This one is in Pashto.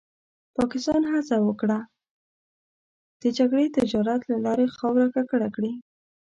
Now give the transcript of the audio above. پاکستان هڅه وکړه د جګړې تجارت له لارې خاوره ککړه کړي.